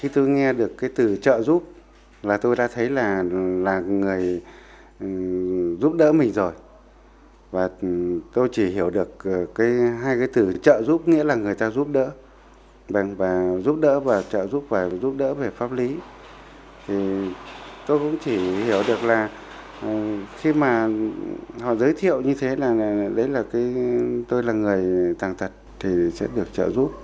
tôi cũng chỉ hiểu được là khi mà họ giới thiệu như thế là tôi là người tàng thật thì sẽ được trợ giúp